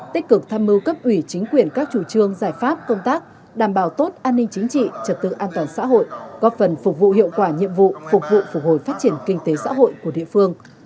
tích cực tham mưu cấp ủy chính quyền các chủ trương giải pháp công tác đảm bảo tốt an ninh chính trị trật tự an toàn xã hội góp phần phục vụ hiệu quả nhiệm vụ phục vụ phục hồi phát triển kinh tế xã hội của địa phương